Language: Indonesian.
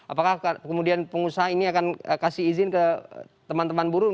apakah kemudian pengusaha ini akan kasih izin ke teman teman buruh